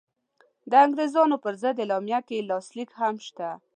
د انګرېزانو پر ضد اعلامیه کې یې لاسلیک هم شته.